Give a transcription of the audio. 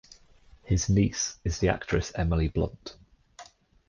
His niece is the actress Emily Blunt.